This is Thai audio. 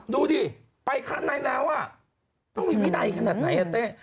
ดูดิไปขั้นในแล้วต้องมีวินัยขนาดไหนอ่ะเต้